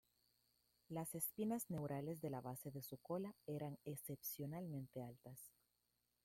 Las espinas neurales de la base de su cola eran excepcionalmente altas.